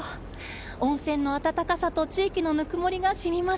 温泉の温かさと地域のぬくもりがしみます。